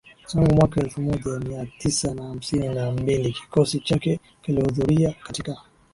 Tangu mwaka elfu moja Mia Tisa na hamsini na mbili kikosi chake kilihudhuria katika